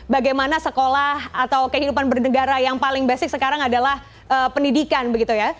bagaimana sekolah atau kehidupan bernegara yang paling basic sekarang adalah pendidikan begitu ya